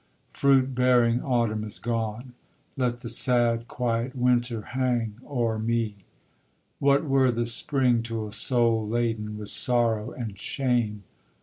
Fruit bearing autumn is gone; let the sad quiet winter hang o'er me What were the spring to a soul laden with sorrow and shame?